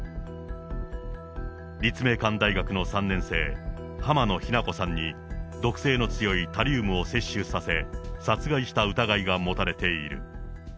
立命館大学の３年生、浜野日菜子さんに、毒性の強いタリウムを摂取させ、殺害した疑いが持たれている。